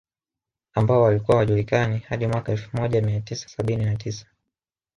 Ambao walikuwa hawajulikani hadi mwaka Elfu moja mia tisa sabini na tisa